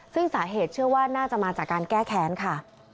ซึ่งสาเหตุเชื่อว่าน่าจะมาจากการแก้แค้นค่ะ